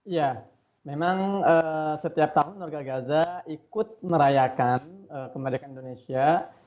ya memang setiap tahun warga gaza ikut merayakan kemerdekaan indonesia